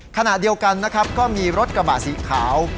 ขณะเดียวกันนะครับก็มีรถกระบะสีขาว